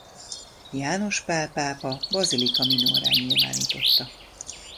János Pál pápa basilica minorrá nyilvánította.